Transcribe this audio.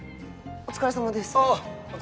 おつかれさまです。